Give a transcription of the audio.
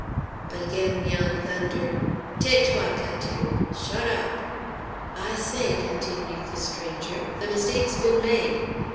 But again 'Mian thundered: "Taise toi, Catou. Shot op!" "I say," continued the stranger, "the mistake's been made.